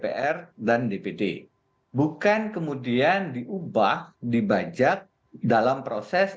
proses deliberasi di parlemen oleh presiden dpr dan dpd bukan kemudian diubah dibajak dalam proses